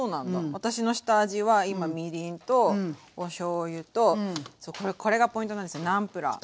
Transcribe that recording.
私の下味は今みりんとおしょうゆとこれがポイントなんですよナムプラー。